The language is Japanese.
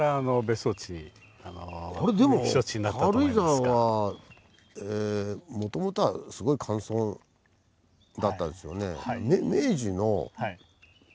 でも軽井沢はもともとはすごい寒村だったですよね。